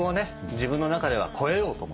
自分の中では超えようと思って。